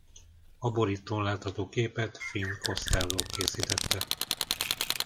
A borítón látható képet Fin Costello készítette.